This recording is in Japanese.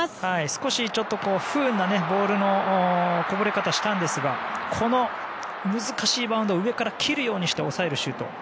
少し不運なボールのこぼれ方をしたんですがこの難しいバウンドを上から切るようにして抑えるシュート。